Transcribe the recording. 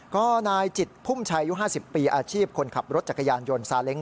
ก็นายจิตพุ่มชัยอายุ๕๐ปีอาชีพคนขับรถจักรยานยนต์ซาเล้ง